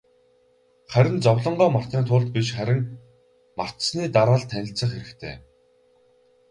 Харин зовлонгоо мартахын тулд биш, харин мартсаны дараа л танилцах хэрэгтэй.